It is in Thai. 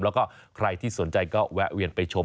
แล้วก็ใครที่สนใจก็แวะเวียนไปชม